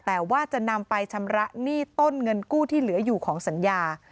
แต่ว่าจะนำไปชำระหนี้ต้นเงินกู้ที่เหลืออยู่ของสัญญา